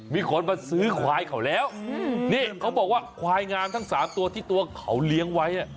มีคนมาซื้อควายเขาแล้วนี่เขาบอกว่าควายงามทั้งสามตัวที่ตัวเขาเลี้ยงไว้